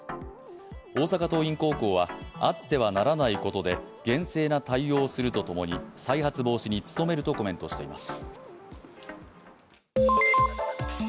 大阪桐蔭高校はあってはならないことで、厳正な対応をするとともに再発防止に努めるとコメントしています。